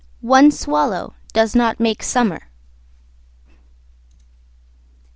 One swallow does not make summer.